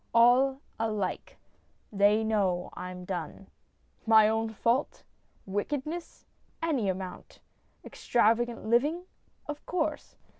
All alike. They know I'm done. My own fault? Wickedness? Any amount. Extravagant living? Of course.